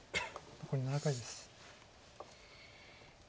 残り７回です。